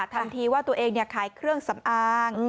ทำทีว่าตัวเองขายเครื่องสำอาง